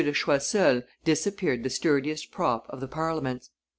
de Choiseul disappeared the sturdiest prop of the Parliaments.